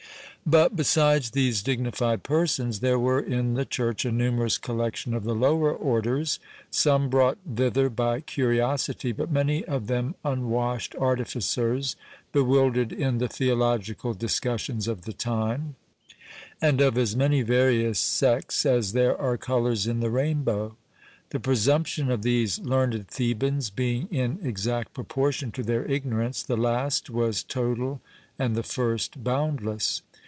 But, besides these dignified persons, there were in the church a numerous collection of the lower orders, some brought thither by curiosity, but many of them unwashed artificers, bewildered in the theological discussions of the time, and of as many various sects as there are colours in the rainbow. The presumption of these learned Thebans being in exact proportion to their ignorance, the last was total and the first boundless.